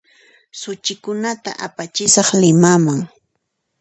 Suchikunata apachisaq Limaman